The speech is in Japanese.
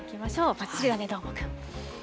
ばっちりだね、どーもくん。